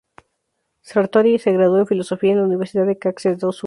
Sartori se graduó en Filosofía en la Universidad de Caxias do Sul.